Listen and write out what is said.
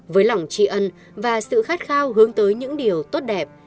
với lòng tri ân và sự khát khao hướng tới những điều tốt đẹp